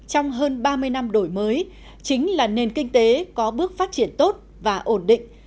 trong hơn ba mươi năm đổi mới chính là nền kinh tế có bước phát triển tốt và ổn định